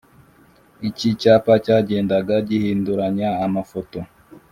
iki cyapa cyagendaga gihinduranya amafoto